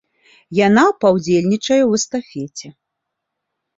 Яна паўдзельнічае ў эстафеце.